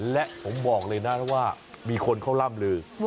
และผมบอกเลยนะว่ามีคนเขาล่ำลือ